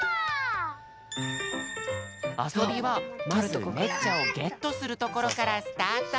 あそびはまずねっちゃをゲットするところからスタート。